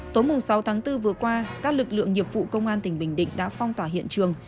tối sáu tháng bốn vừa qua các lực lượng nghiệp vụ công an tỉnh bình định đã phong tỏa hiện trường